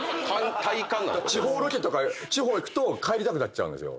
地方ロケとか地方行くと帰りたくなっちゃうんですよ。